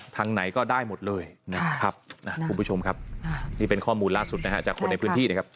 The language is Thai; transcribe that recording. ทางไหนก็ได้หมดเลยนะครับคุณผู้ชมครับนี่เป็นข้อมูลล่าสุดนะฮะจากคนในพื้นที่นะครับ